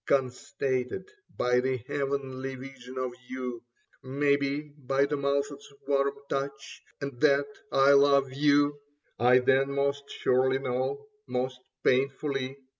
Constated by the heavenly vision of you, Maybe by the mouth's warm touch ; and that I love you, I then most surely know, most painfully.